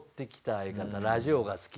相方ラジオが好き。